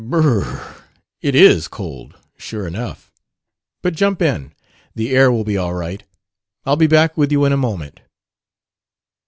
"B r r! It is cold, sure enough. But jump in. The air will be all right. I'll be back with you in a moment."